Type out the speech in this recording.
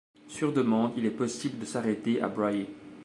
Sur demande, il est possible de s'arrêter à Briey.